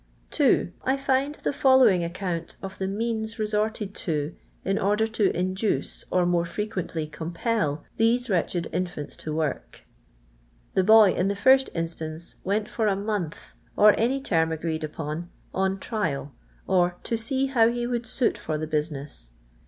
2. I find the following account of the M€aRS vtSorUd to, n'/t ord'.r to i«c/f'«v, or more fnqucAil^ com /til, tfusc inttt:/>id irijuhis iu i^orl: The bny in the first instance went for a month, or any term agreed upon, " on trial," or " to see how he would suit lor the bu^iiness."